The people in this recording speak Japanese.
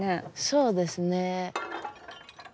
そうですね。